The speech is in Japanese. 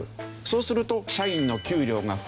そうすると社員の給料が増える。